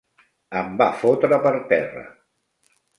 Em va fotre per terra.